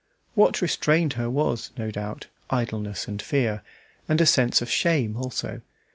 What restrained her was, no doubt, idleness and fear, and a sense of shame also.